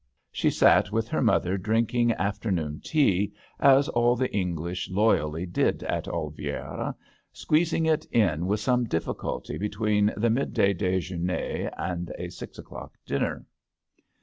She sat with her mother, drink ing afternoon tea, as all the English loyally did at Oliviera, squeezing it in with some difl&culty between the midday dejeHner and a six o'clock dinner.